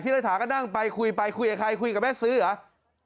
รัฐาก็นั่งไปคุยไปคุยกับใครคุยกับแม่ซื้อเหรอ